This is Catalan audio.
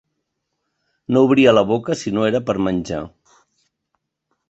No obria la boca si no era per menjar.